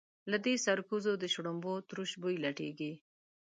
له دې سرکوزو د شړومبو تروش بوی لټېږي.